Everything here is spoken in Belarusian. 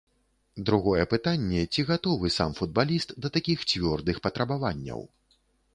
Другое пытанне, ці гатовы сам футбаліст да такіх цвёрдых патрабаванняў.